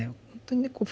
本当にね